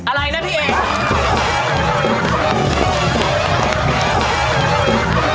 อะไรนะพี่เอก